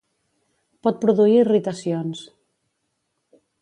Pot produir irritacions.